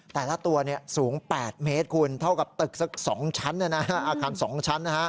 แต่ละตัวสูง๘เมตรเท่ากับตึกจากสองชั้น